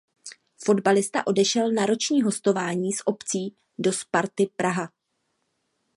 Fotbalista odešel na roční hostování s opcí do Sparty Praha.